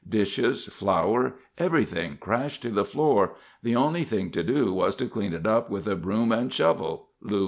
Dishes, flour—everything crashed to the floor. The only thing to do was to clean it up with a broom and shovel," Lu Morris said.